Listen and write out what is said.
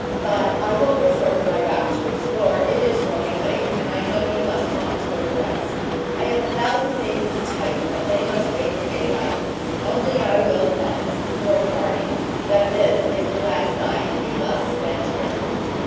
But I will reserve my raptures, for it is growing late, and I know you must want to go to rest. I have a thousand things to tell you, but they must wait for daylight; only I will promise, before parting, that this is the last night you must spend here."